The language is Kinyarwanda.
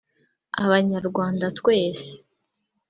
Abanyarwanda twese